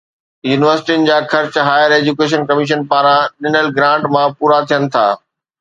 يونيورسٽين جا خرچ هائير ايجوڪيشن ڪميشن پاران ڏنل گرانٽ مان پورا ٿين ٿا.